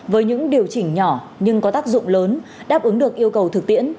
với những điều chỉnh nhỏ nhưng có tác dụng lớn đáp ứng được yêu cầu thực tiễn